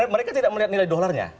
mereka tidak melihat nilai dolarnya